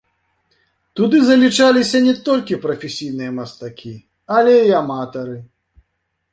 Туды залічаліся не толькі прафесійныя мастакі, але і аматары.